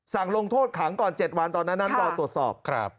สั่งลงโทษขังก่อน๗วันตอนนั้นตอนตรวจสอบครับ